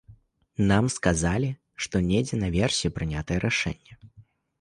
Нам сказалі, што недзе наверсе прынятае рашэнне.